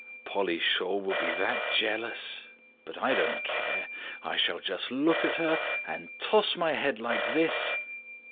Polly Shaw will be that jealous; but I don't care. I shall just look at her and toss my head like this."